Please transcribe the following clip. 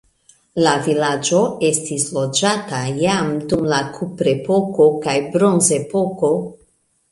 La vilaĝo estis loĝata jam dum la kuprepoko kaj bronzepoko.